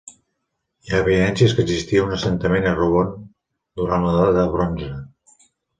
Hi ha evidències que existia un assentament a Ruabon durant l'edat del bronze.